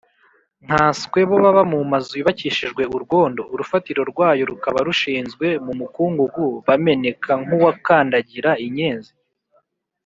nkanswe bo baba mu mazu yubakishijwe urwondo, urufatiro rwayo rukaba rushinzwe mu mukungugu, bameneka nk’uwakandagira inyenzi